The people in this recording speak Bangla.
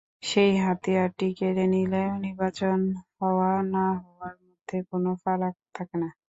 সেই হাতিয়ারটি কেড়ে নিলে নির্বাচন হওয়া না-হওয়ার মধ্যে কোনো ফারাক থাকে না।